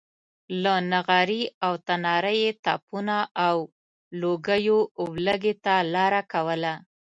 له نغري او تناره یې تپونو او لوګیو ولږې ته لاره کوله.